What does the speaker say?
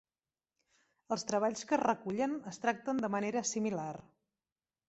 Els treballs que es recullen es tracten de manera similar.